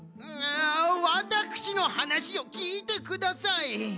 ワタクシのはなしをきいてください。